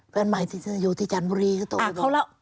แฟนใหม่ที่อยู่ที่จันทร์บุรีก็ตกไว้